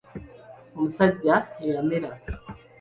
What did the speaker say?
Omusajja eyamera.